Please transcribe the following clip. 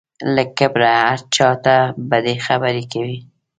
له کبره هر چا ته بدې خبرې کوي.